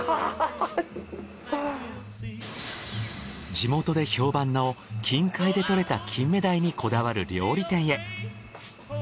地元で評判の近海で取れた金目鯛にこだわる料理店へ。